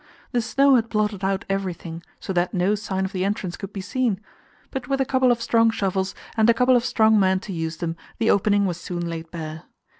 The snow had blotted out everything, so that no sign of the entrance could be seen; but with a couple of strong shovels, and a couple of strong men to use them, the opening was soon laid bare.